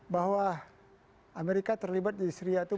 bahwa amerika terlibat di syria itu